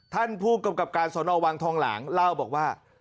ท่านผู้กำกับการสนวังทองหลางเล่าบอกว่า